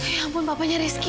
ya ampun bapaknya rizky